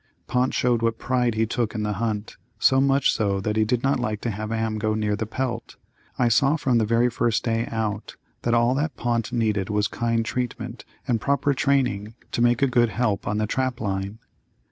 Pont showed what pride he took in the hunt, so much so that he did not like to have Am go near the pelt. I saw from the very first day out that all that Pont needed was kind treatment and proper training to make a good help on the trap line.